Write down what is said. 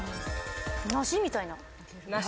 梨みたい？